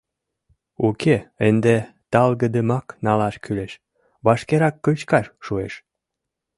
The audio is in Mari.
Уке, ынде талгыдымак налаш кӱлеш: вашкерак кычкаш шуэш...»